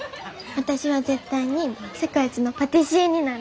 私は絶対に世界一のパティシエになる。